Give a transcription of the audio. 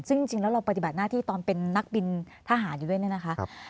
ซึ่งจริงแล้วเราปฏิบัติหน้าที่ตอนเป็นนักบินทหารอยู่ด้วยเนี่ยนะคะ